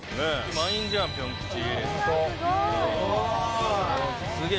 満員じゃん「ぴょんきち」。